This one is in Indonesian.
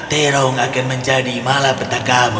terong akan menjadi malapetakamu